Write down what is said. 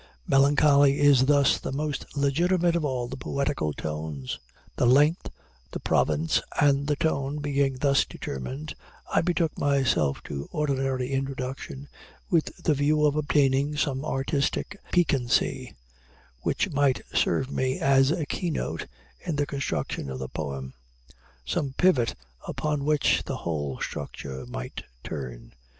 Melancholy is thus the most legitimate of all the poetical tones. The length, the province, and the tone, being thus determined, I betook myself to ordinary induction, with the view of obtaining some artistic piquancy which might serve me as a key note in the construction of the poem some pivot upon which the whole structure might turn.